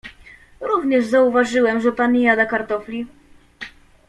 "Również zauważyłem że pan nie jada kartofli."